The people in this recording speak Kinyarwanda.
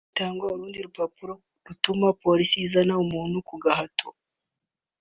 hatangwa urupapuro rundi rutuma Polisi izana umuntu ku gahato